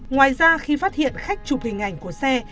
ngoài ra khi phát hiện khách chụp hình ảnh của xe